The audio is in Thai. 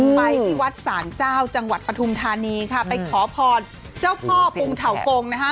ไปที่วัดศาลเจ้าจังหวัดปฐุมธานีค่ะไปขอพรเจ้าพ่อปรุงเถากงนะคะ